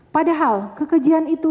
padahal kekejian itu